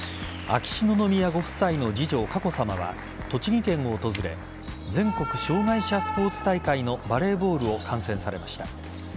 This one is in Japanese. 秋篠宮ご夫妻の次女佳子さまは栃木県を訪れ全国障害者スポーツ大会のバレーボールを観戦されました。